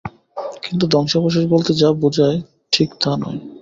কিন্তু ধ্বংসাবশেষ বলতে যা বোঝায় ঠিক তা নয়।